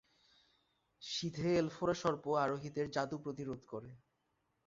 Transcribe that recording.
সিধে এলফরা সর্প আরোহীদের জাদু প্রতিরোধ করে।